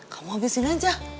kamu abisin aja